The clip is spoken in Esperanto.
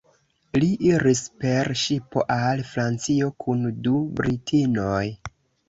Li iris per ŝipo al Francio kun du britinoj.